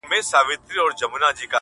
همدغه دروند دغه ستایلی وطن-